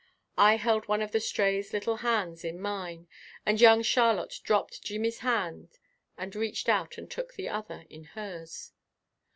I held one of the Stray's little hands in mine, and young Charlotte dropped Jimmy's hand and reached out and took the other in hers.